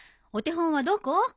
お手本はどこ？